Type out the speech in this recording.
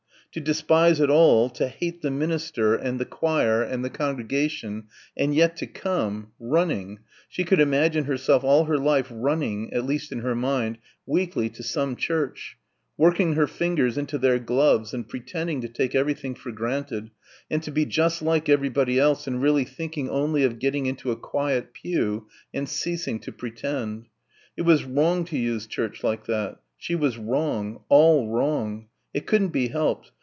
To despise it all, to hate the minister and the choir and the congregation and yet to come running she could imagine herself all her life running, at least in her mind, weekly to some church working her fingers into their gloves and pretending to take everything for granted and to be just like everybody else and really thinking only of getting into a quiet pew and ceasing to pretend. It was wrong to use church like that. She was wrong all wrong. It couldn't be helped.